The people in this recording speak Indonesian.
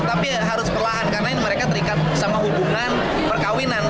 tapi harus perlahan karena ini mereka terikat sama hubungan perkawinan